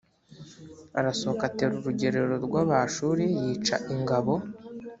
arasohoka atera urugerero rw abashuri yica ingabo